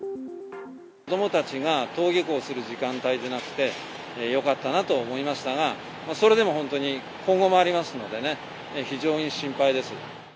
子どもたちが登下校する時間帯じゃなくてよかったなと思いましたが、それでも本当に、今後もありますので、非常に心配です。